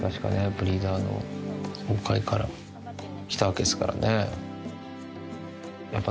ブリーダーの崩壊から来たわけですからね。